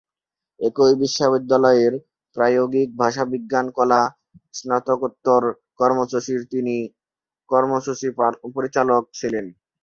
একই বিশ্ববিদ্যালয়ের প্রায়োগিক ভাষাবিজ্ঞান কলা স্নাতকোত্তর কর্মসূচির তিনি কর্মসূচি পরিচালক ছিলেন।